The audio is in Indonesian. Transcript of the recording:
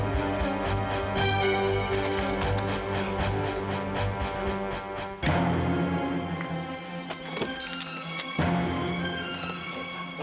jadi tidak perlu ngo nit sehingga itu bisa selalu sempurna